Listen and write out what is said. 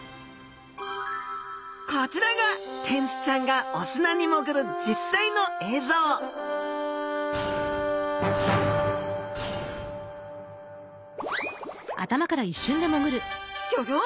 こちらがテンスちゃんがお砂にもぐる実際の映像ギョギョ！